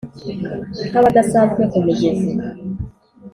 Nk' abadasanzwe ku mugezi :